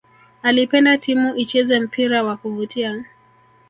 alipenda timu icheze mpira wa kuvutia